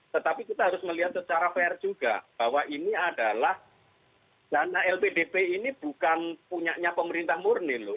tetapi kita harus melihat secara fair juga bahwa ini adalah dana lpdp ini bukan punyanya pemerintah murni loh